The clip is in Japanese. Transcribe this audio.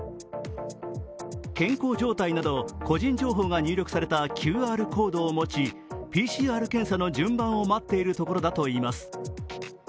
健康状態など個人情報が入力されたＱＲコードを持ちＰＣＲ検査の順番を待っているところだといいます。